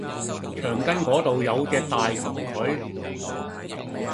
墙根个度有只大蠄蟝